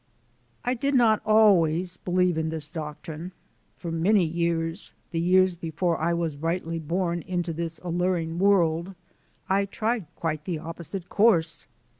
I did not always believe in this doctrine. For many years the years before I was rightly born into this alluring world I tried quite the opposite course.